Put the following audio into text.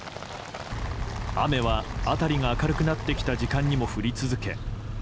雨は辺りが明るくなってきた時間にも降り続け